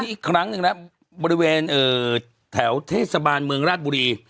อีกครั้งหนึ่งแล้วบริเวณแถวเทศบาลเมืองราชบุรี